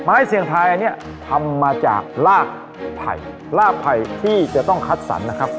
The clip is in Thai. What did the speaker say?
เสี่ยงทายอันนี้ทำมาจากลากไผ่ลากไผ่ที่จะต้องคัดสรรนะครับ